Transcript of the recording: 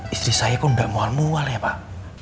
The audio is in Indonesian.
istri saya kok gak mual mual ya pak